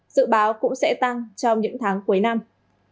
dự báo cũng sẽ tăng trong những tháng cuối năm